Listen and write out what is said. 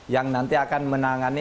yang nanti akan menangani